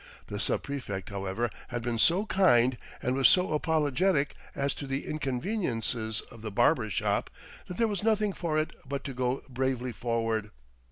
The sub prefect, however, had been so kind and was so apologetic as to the inconveniences of the "barber shop" that there was nothing for it but to go bravely forward.